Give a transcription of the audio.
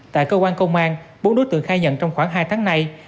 tại cơ quan công an bốn đối tượng khai nhận trong khoảng hai tháng nay